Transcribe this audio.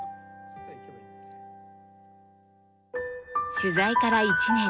取材から１年。